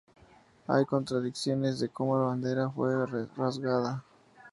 Hay contradicciones de cómo la bandera fue rasgada.